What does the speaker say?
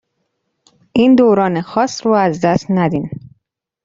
این دوران خاص رو از دست ندین